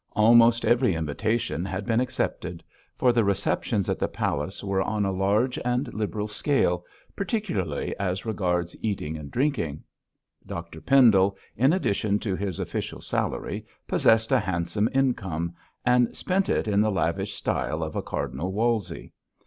Almost every invitation had been accepted, for the receptions at the palace were on a large and liberal scale, particularly as regards eating and drinking. Dr Pendle, in addition to his official salary, possessed a handsome income, and spent it in the lavish style of a Cardinal Wolsey.